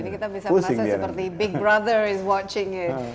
ini kita bisa merasa seperti big brother is watching ya